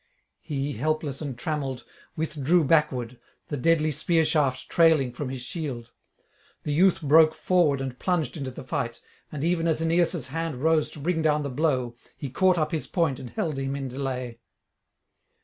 He, helpless and trammelled, withdrew backward, the deadly spear shaft trailing from his shield. The youth broke forward and plunged into the fight; and even as Aeneas' hand rose to bring down the blow, he caught up his point and held him in delay.